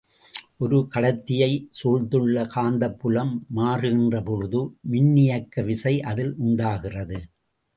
ஒரு கடத்தியைச் சூழ்ந்துள்ள காந்தப்புலம் மாறுகின்ற பொழுது, மின்னியக்கு விசை அதில் உண்டாகிறது.